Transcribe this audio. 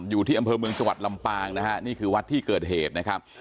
อยู่ที่อำเภอเมืองจังหวัดลำปางนะฮะนี่คือวัดที่เกิดเหตุนะครับ